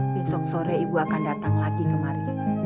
besok sore ibu akan datang lagi kemarin